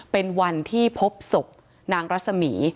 เป็นวันที่พบศพนางรัศมี